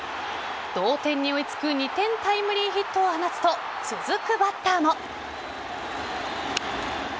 同点に追いつく２点タイムリーヒットを放つと続くバッターも。